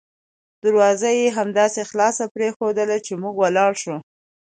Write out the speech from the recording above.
دروازه یې همداسې خلاصه پریښودله چې موږ ولاړ شوو.